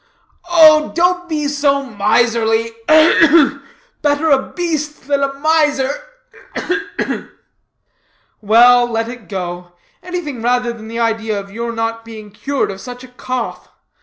"Oh don't be so miserly ugh, ugh! better a beast than a miser ugh, ugh!" "Well, let it go. Anything rather than the idea of your not being cured of such a cough.